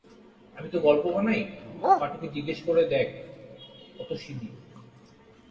আমি তো গল্প বানাই-পাটুকে জিজ্ঞেস কোরো দেখি অতসীদি?